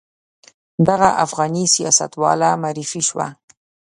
دغه افغاني سیاستواله معرفي شوه.